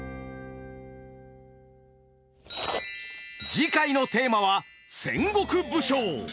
次回のテーマは戦国武将！